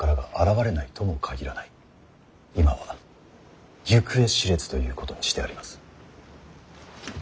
今は行方知れずということにしてあります。